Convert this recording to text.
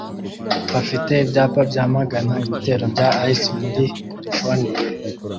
bafite ibyapa byamagana ibitero bya ICE muri Californiya